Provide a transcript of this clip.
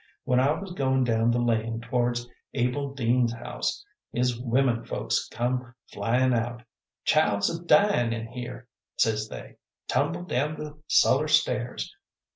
When I was goin' down the lane t'wards Abel Dean's house, his women folks come flyin' out. 'Child's a dyin' in here,' says they; 'tumbled down the sullar stairs.'